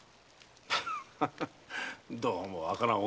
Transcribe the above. ハハハどうもわからん女だな。